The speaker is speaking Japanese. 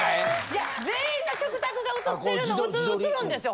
いや全員の食卓が写ってるのを写るんですよ